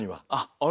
あれ？